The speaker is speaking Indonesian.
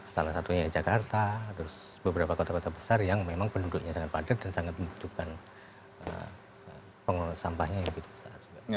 salah satunya jakarta terus beberapa kota kota besar yang memang penduduknya sangat padat dan sangat membutuhkan pengelolaan sampahnya yang begitu besar